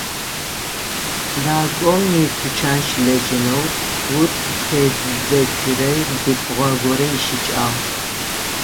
Дакӏом итучан щылэжьэнэу ут тезыдзэшъурэ бзылъфыгъэ горэ ищыкӏагъ.